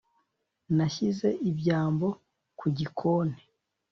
Nashyize ibyambo ku gikoni